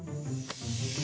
え！？